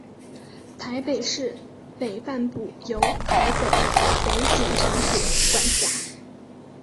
台北市北半部由台北北警察署管辖。